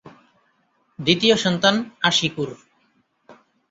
দ্বিতীয় সন্তান আশিকুর।